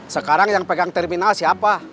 sekarang yang pegang terminal siapa